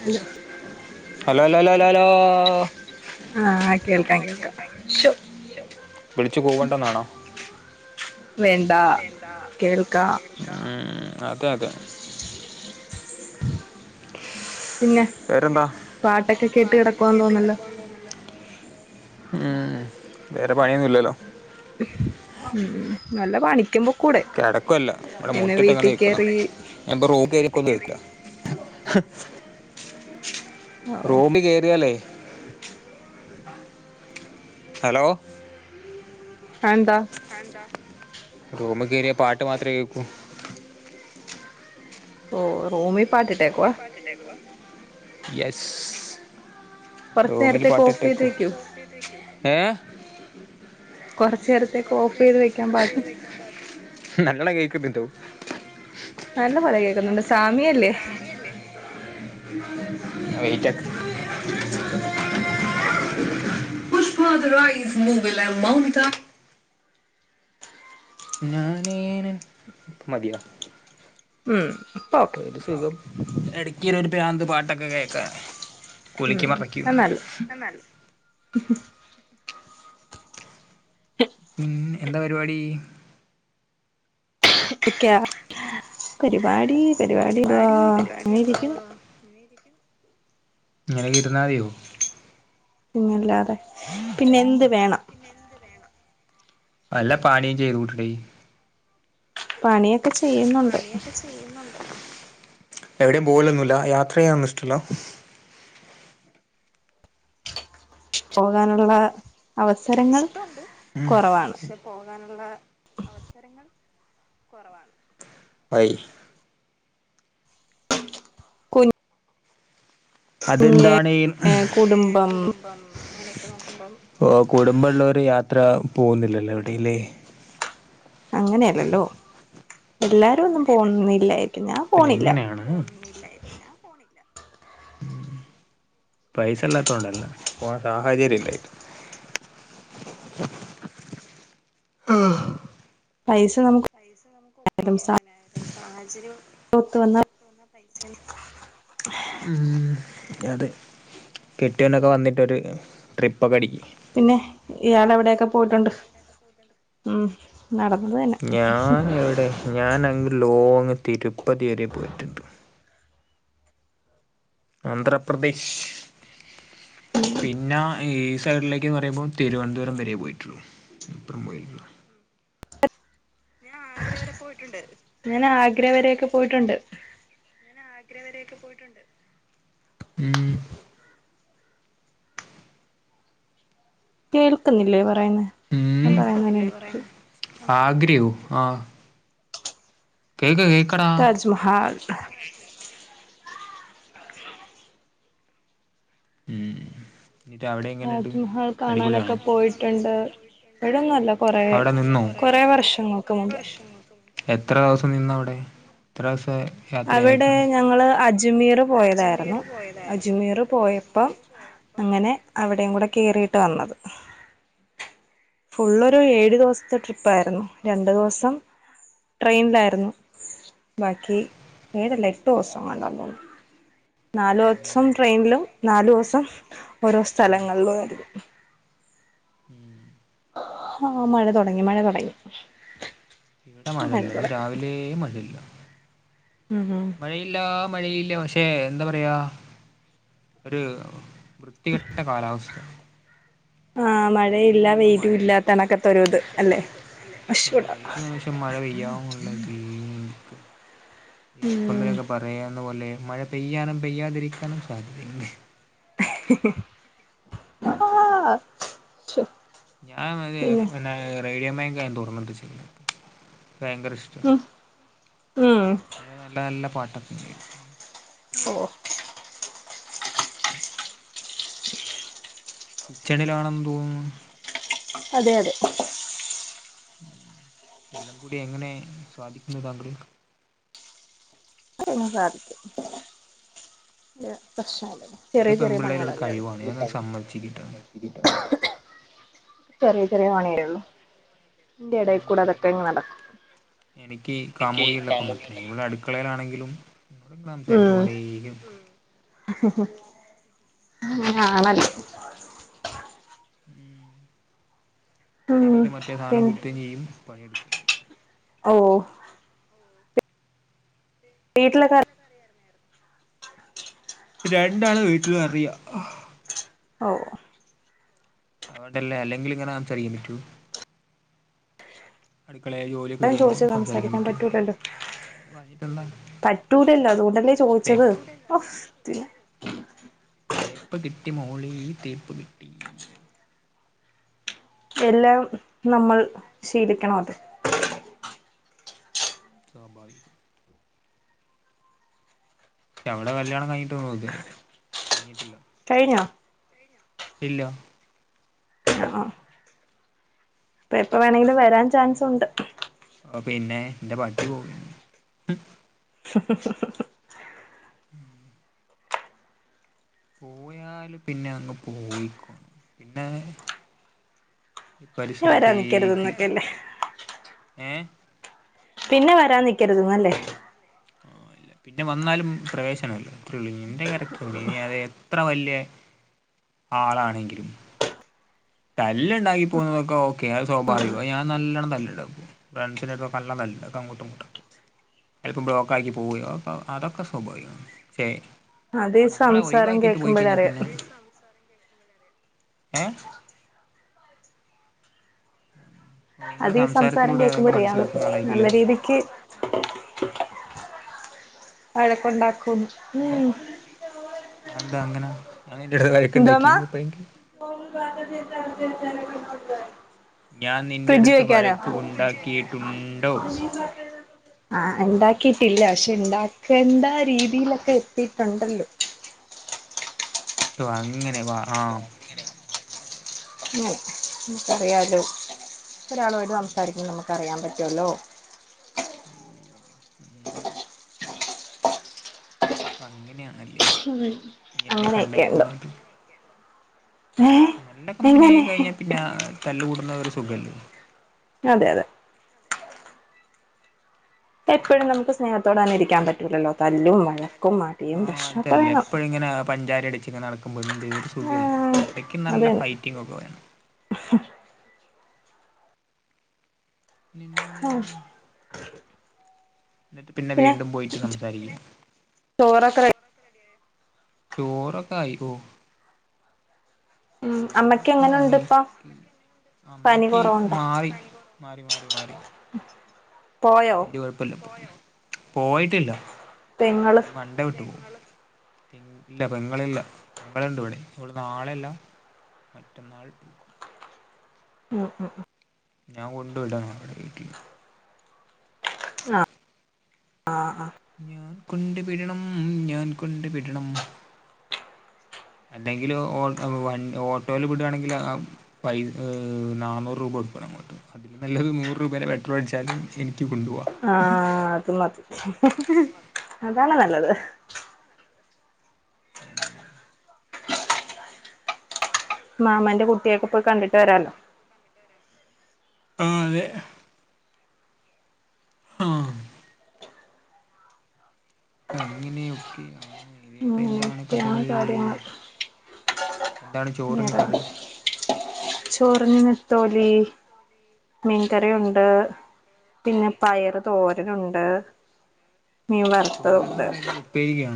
Hello അ കേൾക്കാം കേൾക്കാം ശോ വിളിച്ചു കൂവണ്ടന്നാണോ വേണ്ട വേണ്ട കേൾക്കാ കേൾക്കാം മം അതെ അതെ [unintelligible] പിന്നെ വേരെന്താ പാട്ടൊക്കെ കേട്ട് പാട്ടൊക്കെ കിടക്കുവാന്ന് കേട്ട് തോന്നല്ലോ കെടക്കുവാ തോന്നുവല്ലോ ആഹ് വേറെ പണിയൊന്നും ഇല്ലല്ലോ. മം വല്ല പണിക്കും പൊക്കൂടെ കിടക്കല്ലാ, ഇവിടെ, മുറ്റത്ത് ഇങ്ങനെ ഇരിക്കുനു നാനിപ്പ റോബ് കറിക്ക ഓ റോബിറി [unintelligible] യാല്ലേ ഹലോ അത് എന്താ? അതെന്താ. റൂമി കയറിയ പാട്ട് മാത്രമേ കേക്കൂ. ഓഹ് റൂമി പാട്ടിട്ടേകുവ [inaudible] യെസ് കൊറച്ചു റൂമിൽ നേരത്തേക്ക് ഓഫ് ചെയ്ത് പാട്ടിട്ടെക്കു വെക്കൂ ഏ കൊറച്ച് നേരത്തേക്ക് ഓഫ് ചെയ്ത് വെക്കാം പാട്ട് നല്ലണം കേയ്ക്ക്‌ ബിന്ദു നല്ല പോലെ കേക്കുന്നുണ്ട് സാമിയല്ലേ? വെയിറ്റാക്ക്‌. ഞാനീനൻ മതിയ ഉം ഇപ്പോ ഒരു സുഖം എടക്ക്‌ ഇങ്ങനെ ഒരു പ്രാന്ത് പാട്ടൊക്കെ കേക്കാണ്. കുല്ക്കി ഉം മറിക്ക്‌ അത് ഇങ്ങനെ നല്ലത് തന്നെ [unintelligible] [inaudible] ഉം. എന്താ പരിപാടി? ഇക്ക്യ പരിപാടി പരിപാടി ഇതാ അങ്ങനെരിക്കുന്നു. ഇങ്ങനെക്കെ ഇര്ന്നാതിയോ? പിന്നെല്ലാതെ പിന്നെ എന്ത് വേണം? പിന്നെ എന്ത് വേണം വല്ല പാണിം ചെയ്തു കൂട്ടടി പണിയെ പണിയൊക്കെ ചെയ്യുന്നുണ്ട്. എവിടേം പോവലൊന്നുല്ല യാത്ര ചെയ്യനൊന്നും ഇഷ്ടല്ല? [inaudible] പോകാനുള്ള അവസരങ്ങൾ ഇഷ്ടുണ്ട് കുറവാണ് ഉംപക്ഷെ പോകാനുള്ള അവസരങ്ങൾ കൊറവാണ്, അയ് കുൻ അതെന്താണീം ഹ്പിന്നെ കുടുംബം അങ്ങനെ ഓക്കെ നോക്ക് ഓ കുടുംബള്ളോര് യാത്ര പോവുന്നില്ലല്ലോ എവിടില്ലേ? അങ്ങനെയല്ലല്ലോ എല്ലാരും ഒന്നും പോവുന്നില്ലായിരിക്കും ഞാൻ പോണില്ല. [unintelligible] പൈസല്ലാത്തോണ്ടല്ല പോകാൻ സാഹചര്യം ഇല്ലായിട്ട് പൈസ നമുക്ക് സാമ്പത്തികം ഒപ്പിക്കങ്ങനെ സാഹചര്യം ഒത്തു വന്നാ ഇങ്ങട്ട് വന്ന പൈസണ്ടാവൂല ഉം അതെ കെട്ടിയോനൊക്കെ വന്നിട്ടൊ ഒര് ട്രിപ്പൊക്കെ അടിക്ക്. പിന്നെ ഇയാളെ എവിടെക്കെ പോയിട്ടുണ്ട് ഉം നടന്നത് തന്നെ ഹ്. ഹ് ഹ് ഞാൻ അങ്ങ് ലോങ്ങ് തിരുപ്പതി വരെ പോയിറ്റ്ണ്ട്. ആന്ധ്രാപ്രദേശ് പിന്ന ഈ സൈഡിലേക്ക്ന്ന് പറയുമ്പോ തിരുവൻന്തപുരം വരെ പോയിറ്റുള്ളു. അപ്പറം പോയി [unintelligible] ഞാൻ ആഗ്ര വരെയൊക്കെ പോയിട്ടുണ്ട്. ഞാൻ ആഗ്ര വരെയൊക്കെ പോയിട്ടുണ്ട്. കേൾക്ക്‌ന്നില്ലേ പറയുന്നെ ഞാൻ പറയുന്നന്നെ എനിക്ക്‌ ആഗ്രെയോ ആഹ് കേക്ക കേക്ക്‌ താജ്മഹാൽ ഉംഊമ് ഇങ്ങട്ട്അവിടെ. താജ്മഹൽ കാണാനൊക്കെ പോയിട്ടുണ്ട്ടന്നല്ല കൊറെ. കൊറെ വർഷങ്ങൾക്ക് മുമ്പ്. എത്ര സം നിന്ന് അവിടെ എത്ര സം ആയി. അവിടെ ഞങ്ങൾ അജ്മീർ പോയതായിരുന്നു അജ്മീർ പോയപ്പം അങ്ങനെ അവിടെയും കൂടെ കയറിയിട്ട് വന്നത്. ഫുള്ള് ഒരുഏഴു ദിവസത്തെ ട്രിപ്പായിരുന്നു രണ്ടു ദിവസം. ട്രെയിൻലായിരുന്നു. ബാക്കി ഏഴ്ല്ല എട്ട് ദിവസം ആണ്ട തോന്നുന്നു നാലു ദിവസം ട്രെയിനിലും. നാാലു ദിവസം ഓരോ സ്ഥലങ്ങളിലും ആയിരുന്നു ഉം ആഹ് മഴ തുടങ്ങി മഴ തുടങ്ങി ഇവിടെ മഴ മഴല്ല ഇന്ന് തുടങ്ങി രാവിലെ മഴയില്ല. ഉം ഉം മഴയില്ല മഴയില്ല പക്ഷെ എന്താ പറയാ ഒരു വൃത്തികെട്ട കാലാവസ്ഥ. ആഹ് മഴയില്ല വെയിലും ഇല്ലാത്തണക്കത്തൊ ഒരു ഇത് അല്ലെ അശടാ. നും മഴ പെയ്യാ ന്നു ല്ലെങ്കി അപ്പം പിന്നെ ഉം വേഗം. പറയുന്ന പോലെ മഴ പെയ്യാനും പെയ്യാതിരിക്കാനും സാധ്യത ഉണ്ട്. ആഹ് ഞാൻ പിന്നെ റേഡിയോ മാൻഗോ തുറന്നു വെച്ചിരിക്കുന്നു ൻക്ക് ഭയങ്കര ഇഷ്ട [unintelligible] ഉം നല്ല നല്ല പാട്ടത്തിന് പെയും. ഓ കിച്ചണിലാണന്ന് തോന്നുന്നു. അതെ അതെ എല്ലാം കൂടി എങ്ങനെ സധിക്കുന്നു താങ്കൾ ക്ക് അ സാധിക്കും പ്രശ്നല്ല. ചെറിയ ചെറിയ പണികളല്ലെ ഒള്ളു ചെറിയ ചെറിയ പണിയുള്ളു അതിന്റെ എടകൂടെ അതൊക്കെ അങ്ങ് നടക്കും. എനിക്ക് കാമുകിള്ള പ്പംഇവിടെ അടുക്കളയിലാണെങ്കിലും സംസാരിച്ചു കൊണ്ടേയിരിക്കും ആണല്ലേ. ഉം ഉം ചെവിൽ മറ്റേ സാധനം പിന്നെ കുത്തും ചെയ്യും പണിയെടുക്കുകയും ചെയ്യും. ഓ. വീട്ടിലൊക്കെ രണ്ടാള വീട്ടിൽ അറിയാ. ഓ അ ഓണ്ടല്ലേ അല്ലെങ്കില് ഇങ്ങനെ സംസാരിക്കാൻ പറ്റോ. അടുക്കളെ ജോലി ഞാൻ ചോദിച്ചു സംസാരിക്കാൻ പറ്റൂലല്ലോ. പറ്റൂലല്ലോ അതുകൊണ്ടല്ലെ ചോദിച്ചത് തേപ്പ് കിട്ടി മോളെ തേപ്പ് കിട്ടി. എല്ലാം നമ്മൾ ശീലിക്കണമല്ലോ സ്വാഭാവികം അവളെ കല്യാണം കഴിഞ്ഞിട്ട്ന്നതുവരെ കഴിഞ്ഞിട്ടില്ല. കഴിഞ്ഞോ. ഇല്ല. ആ പ്പെ എപ്പോ വേണമെങ്കിലും വരാൻ ചാൻസ് ഉണ്ട്. ! ! ! ! ! ! ! ! ! ! [unintelligible] [unintelligible] പോയാല് പിന്നെ അങ്ങ് പോയിക്കോണം പിന്നെ പ്പ വരാൻ നിക്കര്ത്‌ന്നൊക്കെയെല്ലേ ഏഹ് പിന്നെ വരാൻ നിക്കര്ത്‌ന്ന് അല്ലേ [inaudible] പിന്നെ വന്നാലും പ്രവേശനം ഇല്ല അത്രേള്ളൂ എന്റെ കാര്യം അത്രേള്ളൂ ഇനി അത് എത്രെ വല്യെ ആളാണെങ്കിലും തല്ല്ണ്ടാക്കി പോകുന്നതൊക്കെ ഓക്കെ അത് സ്വാഭാവികം അത് ഞാൻ നല്ലണം തല്ല്ണ്ടാക്കും ഫ്രണ്ട്സിന്റെയൊക്കെ നല്ല വൽതാ പ്പ അങ്ങട്ടും ഇങ്ങട്ടും ചെൽപ്പം ബ്ലോക്കാക്കി പോവുകയോ അത് അത് അതൊക്കെ സ്വഭാവികാണ് ചെ അത് ഈ സംസാരം കേക്കുമ്പഴെ അറിയാം ഏഹ് അത് ഈ സംസാരം കേക്കുമ്പറിയാം നല്ല രീതിക്ക് വഴക്കുണ്ടാക്കും അതെ ഉം അതെന്താ അങ്ങനെ അതയ്ന്റെ റേക്ക്ണ്ടാക്കി എന്തോമാ പോയോക്ക് [unintelligible] ഞാൻ നിന്റെ ഫ്രിഡ്ജ് അട്ത്ത് വെക്കാനോ വഴക്ക് ഉണ്ടാക്കിയിട്ടുണ്ടോ ആഹ് ആഹ് ഇണ്ടാക്കീട്ടില്ല പക്ഷെ ഇണ്ടാക്കേണ്ട രീതിയിലൊക്കെ എത്തിയിട്ടുണ്ടല്ലോ ഓഹ് അങ്ങെനെ വാ ആഹ് ഉം നമുക്കറിയാലോ ഒരാളു ആയിട്ട് സംസാരിക്കുമ്പം നമുക്ക് അറിയാൻ പറ്റുവല്ലോ അപ്പം അങ്ങനെയാണ് അല്ലേ അങ്ങനെയൊക്കെണ്ടോ നല്ല കമ്പനി ആയി എങ്ങനെ കഴിഞ്ഞാ പിന്നെ തല്ല്കൂടുന്നതൊര് സുഖല്ലേ അതെ അതെ എപ്പഴും നമുക്ക് സ്നേഹത്തോടെ തന്നെ ഇരിക്ക്യാൻ പറ്റൂലല്ലോ തല്ലും വഴക്കും അടിയും പ്രശ്‌നൊക്കെ വേണം പഞ്ചാര അടിച്ച്ങ്ങെനെ നടക്കുമ്പം എന്ത്‌ ഒരു സുഖല്ലേ ആഹ് എടക്ക് നല്ല അതന്നെ ഫൈറ്റിംഗാെക്കെ വേണം [unintelligible] ആഹ് ന്നിട്ട് പിന്നെ വീണ്ടും പോയിട്ട് സംസാരിക്ക്യും ചോറൊക്കെ റെഡി ചോറൊക്കായ് കൂ ഉം അമ്മയ്ക്ക് എങ്ങെനുണ്ട് പ്പൊ അമ്മയ്ക്ക് മാറി മാറി മാറി മാറി പോയോ പോയോ പോയിട്ടില്ല പെങ്ങള് ഈ മൺഡേ വീട്ടി പോവും ഇല്ല പെങ്ങളില്ല ള്ണ്ട് ഇവിടെ ഓള് നാളെല്ല മറ്റന്നാള് പോകും ഉം ഉം ഞാൻ കൊണ്ടുവിടണം അവടെ വീട്ടി ആഹ് ആഹ് ഞാൻ കൊണ്ട്ബിടെണം ഞാൻ കൊണ്ടുബിടെണം അല്ലെങ്കില് ഓൾ വൻ ഓട്ടോയിൽ വിടാണെങ്കില് ആഹ് പൈ ഏഹ് നാന്നൂറ് രൂപ കൊട്ക്കണം ഞമ്മള് അതിലും നല്ലത് നൂറ് രൂപേന്റെ പെട്രോളടിച്ചാല് എനിക്ക് കൊണ്ട് പോ ആഹ് അതുമതി അതാണ് നല്ലത് മാമന്റെ കുട്ട്യേക്കെ ഇപ്പൊ കണ്ടിട്ട് വരാല്ലോ ആഹ് അതെ ആഹ് അങ്ങനെയൊക്കെയാണ് വേറെ എന്താണ് അങ്ങനെയൊക്കെയാണ് കഥകൾ കാര്യങ്ങൾ [unintelligible] ചോറിന് നെത്തോലി മീങ്കറിയൊണ്ട് പിന്നെ പയറ് തോരനുണ്ട്. മീൻ തോരൻന്ന് വറുത്തതുണ്ട് പറയുന്നത് ഉപ്പേരിയ്ക്ക്ണോ?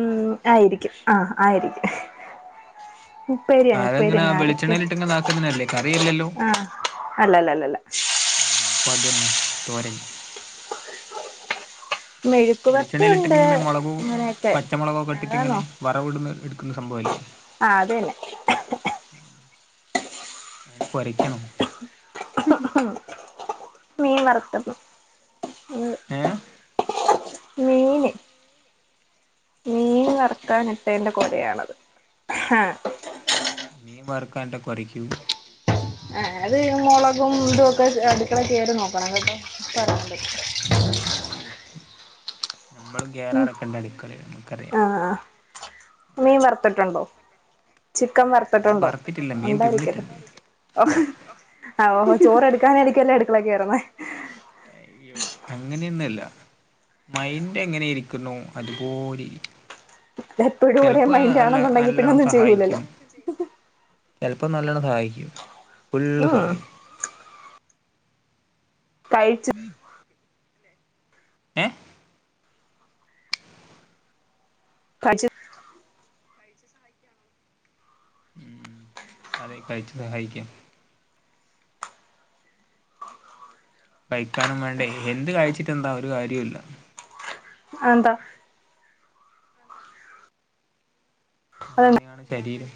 ഉം ആയിരിക്കും ആഹ് ആയിരിക്കും ഉപ്പേരിയന്നെ ഉപ്പേരിയങ്ങ ആരൊക്കെ ആഹ അല്ലല്ലല്ലല്ല പ്പതെന്നെ തോരൻ മെഴുക്ക് വരട്ടിയുണ്ട് വെളിച്ചെണ്ണേലിട്ടിട്ടിങ്ങനെ മൊളകും അങ്ങനെയൊക്കെ അതാണോ പച്ചമൊളകൊക്കെട്ടിട്ടിങ്ങനെ വറവ് ഇട്ട്ട്ട് ഇട്ക്ക്ണ സംഭവല്ലേ ആഹ് അതന്നെ. അതിന് കോരക്കാണോ ഉം മീൻ വറ്ത്തത് ഏഹ് മെയിന് മീൻ വർക്കാനിട്ടേന്റെ കൊരയാണത് ആഹ് മീൻ വറക്കാൻ ഇട്ട കൊരക്കും ആഏ അത് മൊളകും ഇതും ഒക്കെ അടുക്കള കേറി നോക്കണം കെട്ടോ. അപ്പൊ അറിയാൻ പറ്റും. ഓ നമ്മളും കേറാറോക്കണ്ട് അടുക്കളേൽ നമുക്കറിയാം. ആഹ് ആഹ് മീൻ വറ്ത്ത്ട്ട്ണ്ടോ? ചിക്കൻ വർത്തിട്ടുണ്ടോ ഒണ്ടായിരിക്കല്ലോ? ഓഹ് ആ ഓഹോ ചോറെട്ക്കാനായിരിക്കുല്ലെ അടുക്കളെകേറുന്നേ അയ്യോ അങ്ങനെന്നല്ല മൈന്റ് എങ്ങനെ ഇരിക്കുന്നു അതുപോലെഇരിക്കും എപ്പഴും ഒരേ മൈന്റ് ആണ്ന്നണ്ടെങ്കി പിന്നെ ഒന്നും ചെയ്യൂലല്ലോ ചിലപ്പം നല്ലോണം സഹായിക്കും. ഫുള്ള് ഉം സഹായം കൈച്ച് ഏഹ് കാണ്ച്ച് സആയിക്കാണോ മം അതെ കഴിച്ച് സഹായിക്കാ കഴിക്കാനും മാണ്ടേ എന്ത് കഴിച്ചിട്ടെന്താ ഒരു കാര്യോല്ല അതെന്താ അതെന്താ അങ്ങനെയാണ് ശരീരം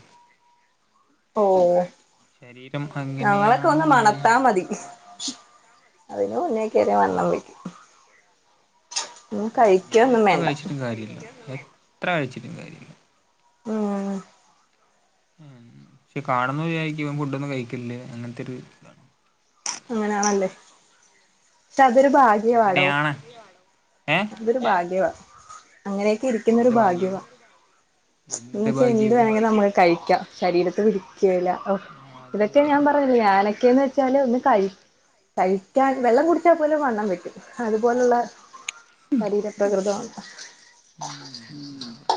ഓ നമ്മളൊക്കെ ഒന്ന് മണത്താ മതി അതിന് മുന്നേ കേറിവണ്ണം വെയ്ക്കും. ഞാൻ കഴിക്കൊന്നും എത്ര വേണ്ട കഴിച്ചിട്ടും കാര്യല്ല എത്ര കഴിച്ചിട്ടും കാര്യല്ല. മം മം കാണുമ്പോ വിചാരിക്കും ഇവൻ ഫുഡൊന്നും കഴിക്കില്ലേ അങ്ങനത്തെരു അങ്ങനാണല്ലേ ഷ് അതൊരു ഭാഗ് അങ്ങനെയാണ് അതൊരു ഭാഗ്യവാ. അങ്ങനെക്കെ ഇരിക്കുന്നൊരു ഭാഗ്യവാ എന്ന് വെച്ചാ എന്ത്‌ വേണങ്കിലും നമ്മൾ കഴിക്കാം ശരീരത്ത് പിടിക്കൂല ഓഹ് ഇതൊക്കെ ഞാൻ പർഞ്ഞില്ലേ ഞാന ഒക്കെന്ന് വെച്ചാല് ഒന്ന് കഴി കഴിക്കാൻ വെള്ളം കുടിച്ചാപോലും വണ്ണം വെക്കും അതുപോലുള്ള ശരീര പ്രകൃതാണ്.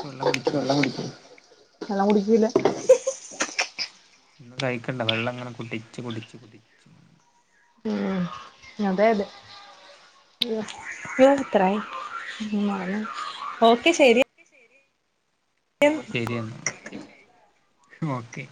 വെള്ളംകുടി [unintelligible] വെള്ളം കുടിക്കൂല ന്നും കയ്ക്കണ്ട വെള്ളംങ്ങനെ കുടിച്ച് കുടിച്ച് കുടിച്ച് അഹ് അതെയതെ [unintelligible] ഓക്കെ ശരി ഓ ശരിയെന്നാ ഓക്കെ